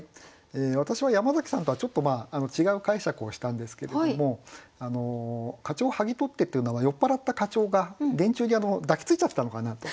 私は山崎さんとはちょっと違う解釈をしたんですけれども「課長を剥ぎ取って」というのは酔っ払った課長が電柱に抱きついちゃったのかなと。